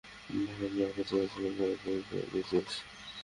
ভীনাকে চেয়েছিলাম, গায়ত্রীকে দিচ্ছিস।